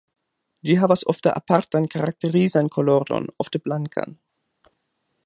Ĝi havas ofte apartan karakterizan koloron ofte blankan.